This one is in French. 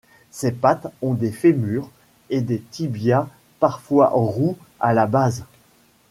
Ses pattes ont des fémurs et des tibias parfois roux à la base.